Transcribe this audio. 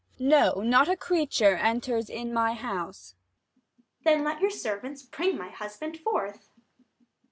Abb. No, not a creature enters in my house. Adr. Then let your servants bring my husband forth.